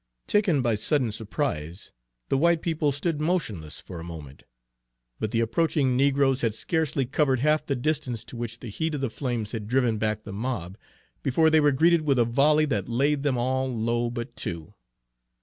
Taken by sudden surprise, the white people stood motionless for a moment, but the approaching negroes had scarcely covered half the distance to which the heat of the flames had driven back the mob, before they were greeted with a volley that laid them all low but two.